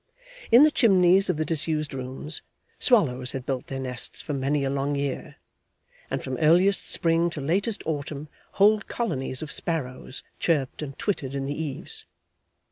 In the chimneys of the disused rooms, swallows had built their nests for many a long year, and from earliest spring to latest autumn whole colonies of sparrows chirped and twittered in the eaves.